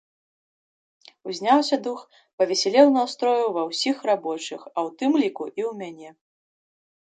Узняўся дух, павесялеў настрой ува ўсіх рабочых, а ў тым ліку і ў мяне.